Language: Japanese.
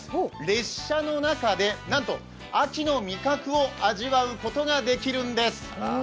列車の中で、なんと秋の味覚を味わうことができるんです。